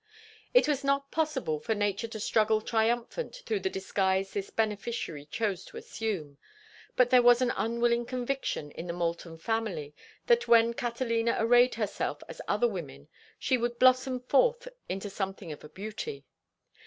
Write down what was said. It was not possible for nature to struggle triumphant through the disguise this beneficiary chose to assume, but there was an unwilling conviction in the Moulton family that when Catalina arrayed herself as other women she would blossom forth into something of a beauty.